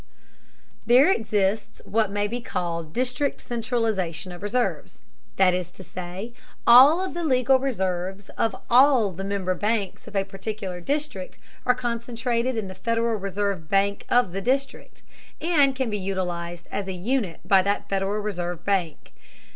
There exists what may be called district centralization of reserves; that is to say, all of the legal reserves of all the member banks of a particular district are concentrated in the Federal Reserve bank of the district, and can be utilized as a unit by that Federal Reserve bank.